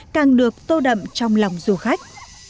càng được tô đậm trong lòng du khách